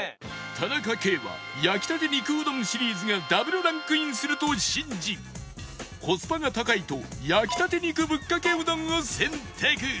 田中圭は焼きたて肉うどんシリーズが Ｗ ランクインすると信じコスパが高いと焼きたて肉ぶっかけうどんを選択